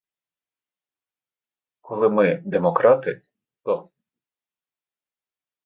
Коли ми — демократи, то.